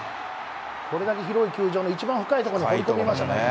これだけ広い球場の一番深い所に放り込みましたからね。